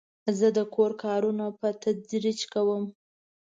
زه د کور کارونه په تدریج کوم.